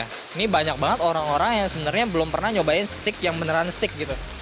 ini banyak banget orang orang yang sebenarnya belum pernah nyobain steak yang beneran stick gitu